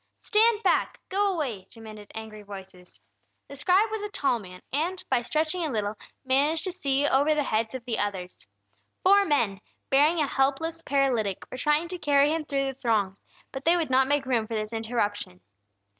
"Stand back! Go away!" demanded angry voices. The scribe was a tall man, and by stretching a little, managed to see over the heads of the others. Four men, bearing a helpless paralytic, were trying to carry him through the throngs; but they would not make room for this interruption.